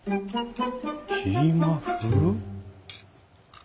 キーマ風？